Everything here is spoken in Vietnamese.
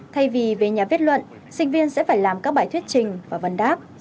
thay vì về nhà viết luận sinh viên sẽ phải làm các bài thuyết trình và văn đáp